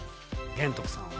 玄徳さんは？